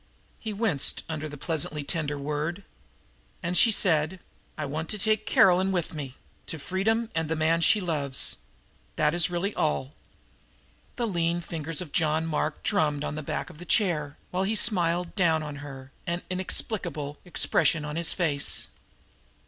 He winced under that pleasantly tender word. And she said: "I want to take Caroline with me to freedom and the man she loves. That is really all!" The lean fingers of John Mark drummed on the back of the chair, while he smiled down on her, an inexplicable expression on his face.